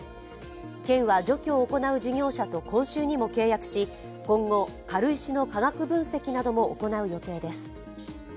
県は除去を行う事業者と今週にも契約し今後、軽石の化学分析なども行う予定です。